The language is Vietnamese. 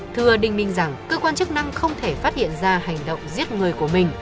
thưa đinh minh rằng cơ quan chức năng không thể phát hiện ra hành động giết người của mình